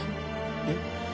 えっ？